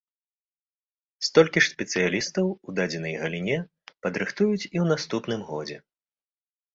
Столькі ж спецыялістаў у дадзенай галіне падрыхтуюць і ў наступным годзе.